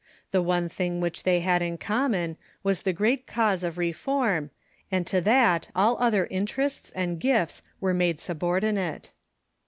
Tlie one thing which they had in common was the great cause of re form, and to that all other interests and gifts were made sub ordinate.